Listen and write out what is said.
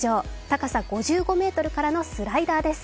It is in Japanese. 高さ５５ｍからのスライダーです。